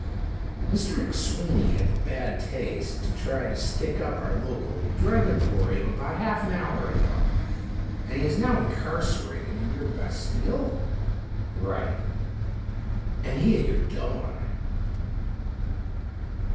"Mr. McSweeney had the bad taste to try to stick up our local drug emporium about half an hour ago." "And he is now incarcerated in your bastille." "Right. And he had your dough on him."